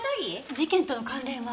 事件との関連は？